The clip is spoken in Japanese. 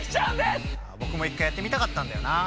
ぼくも一回やってみたかったんだよな。